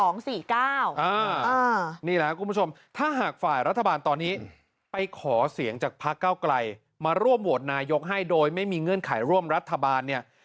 นี่แหละคุณผู้ชมถ้าหากฝ่ายรัฐบาลตอนนี้ไปขอเสียงจากพระเก้าไกลมาร่วมโหวตนายกให้โดยไม่มีเงื่อนไขร่วมรัฐบาลเนี่ย